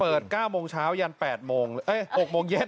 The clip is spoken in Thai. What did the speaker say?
เปิด๙โมงเช้ายัน๘โมงเอ้ย๖โมงเย็น